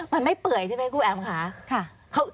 มันไม่เปื่อยใช่ไหมครูแอ๋มค่ะ